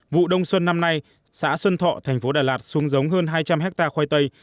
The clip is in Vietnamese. vụ đông xuân năm nay xã xuân thọ thành phố đà lạt xuống giống hơn hai trăm linh hectare khoai tây